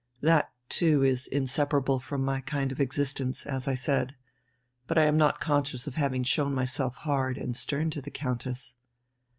That, too, is inseparable from my kind of existence, as I said. But I am not conscious of having shown myself hard and stern to the Countess."